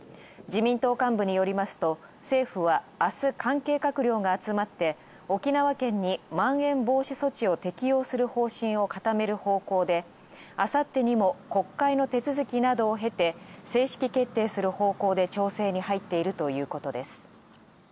自民党幹部によりますと、政府は明日関係閣僚が集まって沖縄県にまん延防止措置を適用する方針を固める方向であさってにも国会の手続きなどを経て、正式決定する方向で調整に入っているということです。